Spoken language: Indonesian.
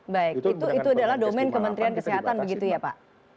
baik itu adalah domen kementerian kesehatan begitu ya pak